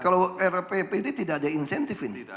kalau pp ini tidak ada insentif ini